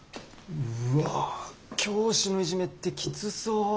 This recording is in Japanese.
うわ教師のイジメってきつそう。